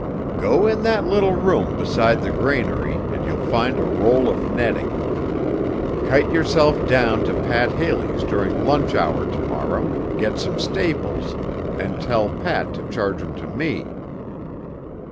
"Go in that little room beside the granary and you'll find a role of netting. Kite yourself down to Pat Haley's during lunch hour tomorrow, get some staples, and tell Pat to charge 'em to me."